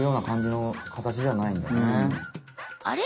あれ？